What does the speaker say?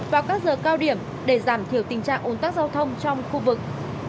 vào các giờ cao điểm để giảm thiểu tình trạng ồn tắc giao thông trong khu vực